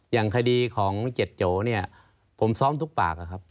อย่างคดีของเจ็ดโจเนี่ยผมซ้อมทุกปากครับ